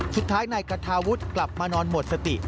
สุดท้ายนายกระทาวุฒิกลับมานอนหมดสติ